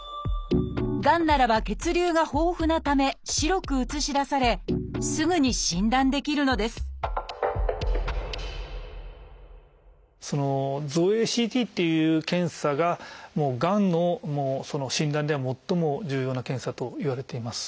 がんならば血流が豊富なため白く写し出されすぐに診断できるのです造影ＣＴっていう検査ががんの診断では最も重要な検査といわれています。